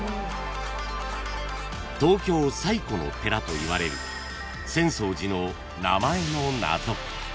［東京最古の寺といわれる浅草寺の名前の謎］